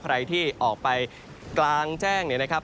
ใครที่ออกไปกลางแจ้งเนี่ยนะครับ